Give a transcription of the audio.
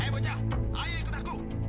hei bucah ayo ikut aku